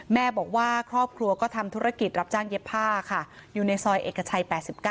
แม่บอกว่าครอบครัวก็ทำธุรกิจรับจ้างเย็บผ้าค่ะอยู่ในซอยเอกชัย๘๙